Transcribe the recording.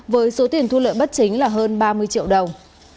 với số tiền thu lợi bất chính là hơn ba mươi triệu đồng